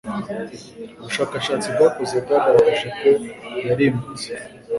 ubushakashatsi bwakozwe bwagaragaje ko yarimbutse